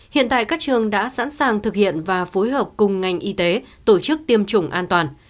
hiện tại các trường đã sẵn sàng thực hiện và phối hợp cùng ngành y tế tổ chức tiêm chủng an toàn